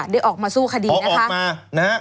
ได้ออกมาสู้คดีนะคะ